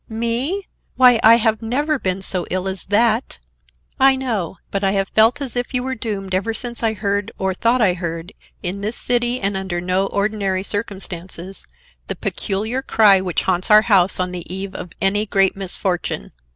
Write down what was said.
"Me? Why, I have never been so ill as that." "I know; but I have felt as if you were doomed ever since I heard, or thought I heard, in this city, and under no ordinary circumstances, the peculiar cry which haunts our house on the eve of any great misfortune.